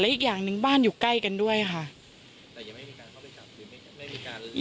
อีกอย่างหนึ่งบ้านอยู่ใกล้กันด้วยค่ะแต่ยังไม่มีการเข้าไปจับหรือไม่ไม่มีการ